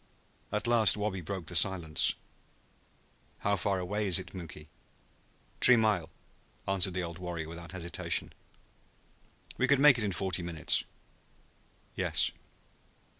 At last Wabi broke the silence. "How far away is it, Muky?" "T'ree mile," answered the old warrior without hesitation. "We could make it in forty minutes." "Yes."